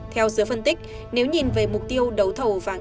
theo giới phân tích nếu nhìn về mục tiêu đấu thầu vàng